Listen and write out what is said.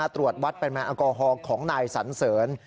ตรวจวัดเป็นแมงอากอฮอกของนายสันเสริญ